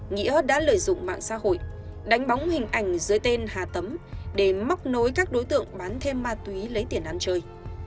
nghĩa đã lợi dụng mạng xã hội đánh bóng hình ảnh dưới tên hà tấm để móc nối các đối tượng bán thêm ma túy lấy tiền ăn chơi